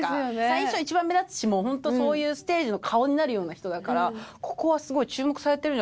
最初は一番目立つしもうホントそういうステージの顔になるような人だからここはすごい注目されてるんじゃないかなって思ったし。